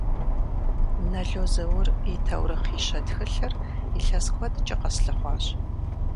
Нэло Зэур и «Тэурыхъищэ» тхылъыр илъэс куэдкӏэ къэслъыхъуащ.